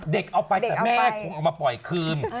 เด็กเอาไปแต่แม่คงเอามาปล่อยคืน